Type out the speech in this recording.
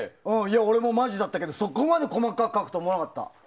俺もマジだったけどそこまで細かく書くとは思わなかった。